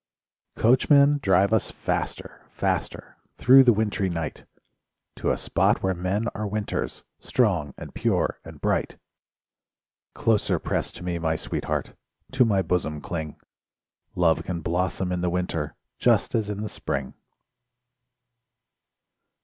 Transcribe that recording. Coachman, drive us faster, faster Through the wintry night To a spot where men are winters— Strong and pure and bright. Closer press to me, my sweetheart, To my bosom cling; Love can blossom in the winter Just as in the spring.